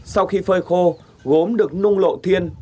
sau khi phơi khô gốm được nung lộ thiên